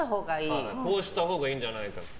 こうしたほうがいいんじゃないかとか。